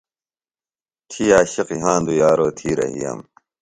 تھی عاشق یھاندُوۡ یارو تھی رھِیم۔